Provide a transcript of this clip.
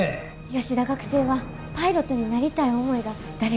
吉田学生はパイロットになりたい思いが誰よりも強くて。